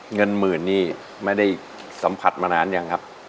เงินหมื่นนี่ไม่ได้สัมผัสมานานยังครับ